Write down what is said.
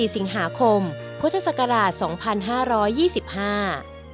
สิงหาคมพุทธศักราชสองพันห้าร้อยยี่สิบห้า